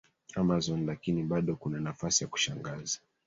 Amazon lakini bado kuna nafasi ya kushangaza